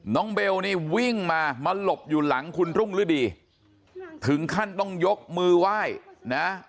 เบลนี่วิ่งมามาหลบอยู่หลังคุณรุ่งฤดีถึงขั้นต้องยกมือไหว้นะ